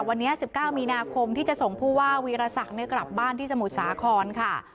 วันนี้๑๙มีนาคมที่จะส่งผู้ว่าวีรศักดิ์กลับบ้านที่สมุทรสาครค่ะ